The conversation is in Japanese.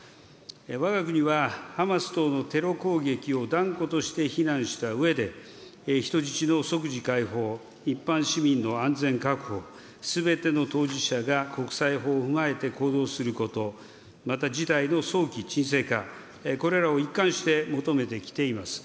わが国はハマス等のテロ攻撃を断固として非難したうえで、人質の即時解放、一般市民の安全確保、すべての当事者が国際法を踏まえて行動すること、また事態の早期沈静化、これらを一貫して求めてきています。